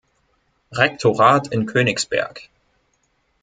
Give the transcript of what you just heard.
Rektorat in Königsberg